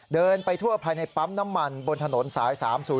เดินไปทั่วภายในปั๊มน้ำมันบนถนนสาย๓๐